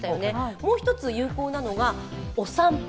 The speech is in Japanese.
もう一つ有効なのがお散歩。